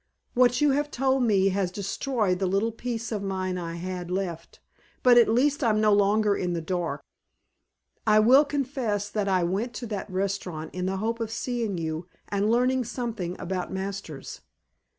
What you have told me has destroyed the little peace of mind I had left, but at least I'm no longer in the dark. I will confess that I went to that restaurant in the hope of seeing you and learning something about Masters.